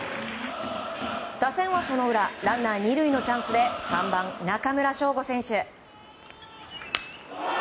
打線はその裏ランナー２塁のチャンスで３番、中村奨吾選手。